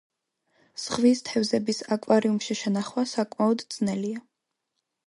ზღვის თევზების აკვარიუმში შენახვა საკმაოდ ძნელია.